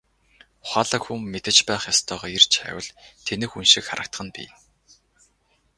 Ухаалаг хүн мэдэж байх ёстойгоо эрж хайвал тэнэг хүн шиг харагдах нь бий.